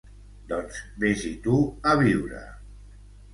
Doncs ves-hi tu a viure.